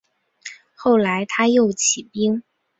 后来他又起兵。